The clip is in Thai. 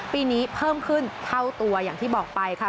ปีนี้เพิ่มขึ้นเท่าตัวอย่างที่บอกไปค่ะ